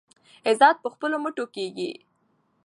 عزت په خپلو مټو کیږي.